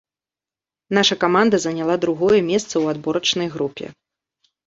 Наша каманда заняла другое месца ў адборачнай групе.